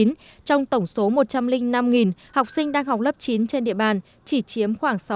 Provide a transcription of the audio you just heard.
trong tổng số một trăm linh năm học sinh đang học lớp chín trên địa bàn chỉ chiếm khoảng sáu mươi